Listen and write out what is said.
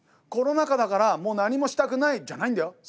コロナ禍だからもう何もしたくないじゃないんだよ。